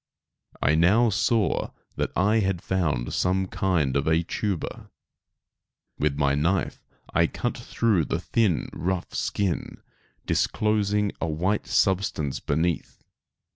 I now saw that I had found some kind of a tuber. With my knife I cut through the thin rough skin, disclosing a white substance beneath.